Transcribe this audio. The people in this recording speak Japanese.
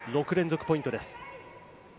６連続ポイントです。